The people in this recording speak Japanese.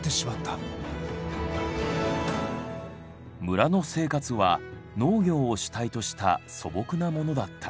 村の生活は農業を主体とした素朴なものだった。